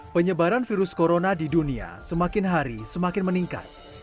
penyebaran virus corona di dunia semakin hari semakin meningkat